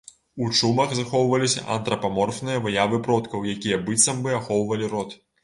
У чумах захоўваліся антрапаморфныя выявы продкаў, якія быццам бы ахоўвалі род.